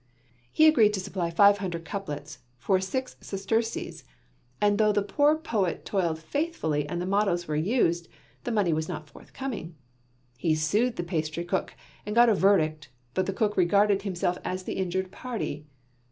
He agreed to supply five hundred couplets for six sesterces, and though the poor poet toiled faithfully and the mottoes were used, the money was not forthcoming. He sued the pastry cook, and got a verdict, but the cook regarded himself as the injured party.